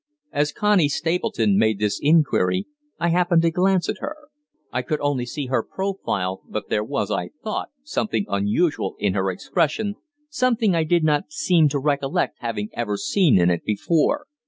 As Connie Stapleton made this inquiry I happened to glance at her. I could only see her profile, but there was, I thought, something unusual in her expression, something I did not seem to recollect having ever seen in it before.